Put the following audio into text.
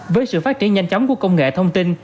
với sự phát triển nhanh chóng của công nghệ thông tin